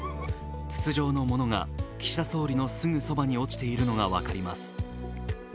筒状のものが岸田総理のすぐそばに落ちているのが分かります。